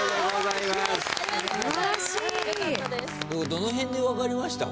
どの辺で分かりました？